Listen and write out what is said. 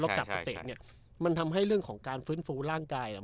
กลับมาเตะเนี่ยมันทำให้เรื่องของการฟื้นฟูร่างกายอ่ะ